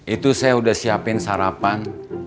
itu saya udah siapin sarapan